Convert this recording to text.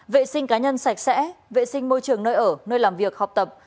vệ sinh cá nhân sạch sẽ vệ sinh môi trường nơi ở nơi làm việc học tập